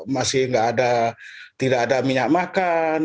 masih nggak ada tidak ada minyak makan